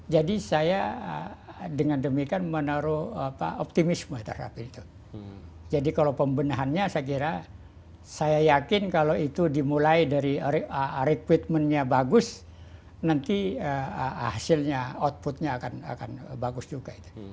saya dengan demikian menaruh optimisme terhadap itu jadi kalau pembenahannya saya kira saya yakin kalau itu dimulai dari rekrutmennya bagus nanti hasilnya outputnya akan bagus juga itu